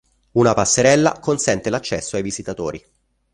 Una passerella consente l'accesso ai visitatori.